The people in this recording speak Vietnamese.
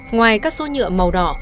ngoài các xô nhựa màu đỏ